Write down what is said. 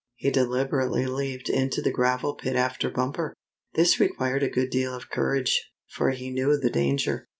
He deliberately leaped into the gravel pit after Bumper. This required a good deal of courage, for he knew the danger.